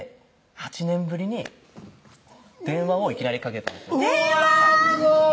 ８年ぶりに電話をいきなりかけたんですうわすごい！